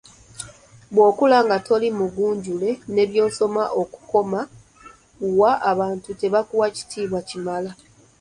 Bw’okula nga toli mugunjule ne bw’osoma okukoma wa abantu tebakuwa kiyitibwa kimala.